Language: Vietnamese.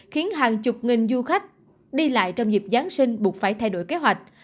khiến hàng chục nghìn du khách đi lại trong dịp giáng sinh buộc phải thay đổi kế hoạch